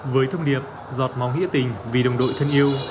với thông điệp giọt máu nghĩa tình vì đồng đội thân yêu